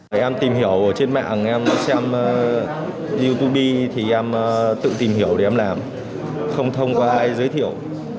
em tìm hiểu trên mạng em xem youtube thì em tự tìm hiểu để em làm không thông qua ai giới thiệu